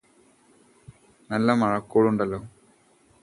നല്ല മഴക്കോളുണ്ടല്ലോ